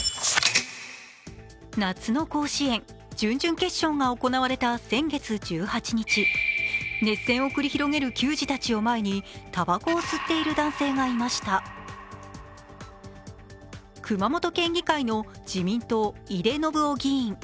夏の甲子園、準々決勝が行われた先月１８日、熱戦を繰り広げる球児たちを前にたばこを吸っている男性がいました熊本県議会の自民党井手順雄議員。